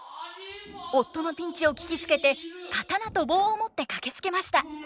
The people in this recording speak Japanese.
夫のピンチを聞きつけて刀と棒を持って駆けつけました。